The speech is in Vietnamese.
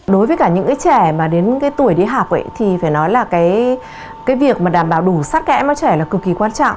đối với những trẻ đến tuổi đi học việc đảm bảo đủ sát kẽm cho trẻ là cực kỳ quan trọng